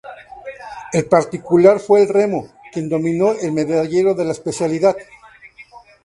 El particular fue el remo, quien dominó el medallero de la especialidad.